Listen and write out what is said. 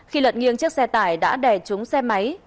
khi lật nghiêng chiếc xe tải đã đè trúng xe máy